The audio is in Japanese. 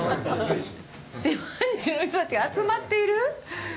シマッチュの人たちが集まっている！？